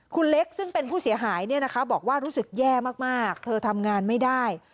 คุณเล็กซึ่งเป็นผู้เสียหายบอกว่ารู้สึกแย่มากเธอทำงานไม่ได้